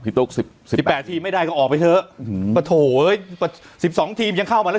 ตุ๊กสิบสิบแปดทีมไม่ได้ก็ออกไปเถอะปะโถเอ้ยสิบสองทีมยังเข้ามาแล้ว